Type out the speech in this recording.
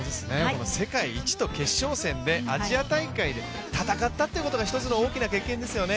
世界一と決勝戦でアジア大会で戦ったということが一つの大きな経験ですよね。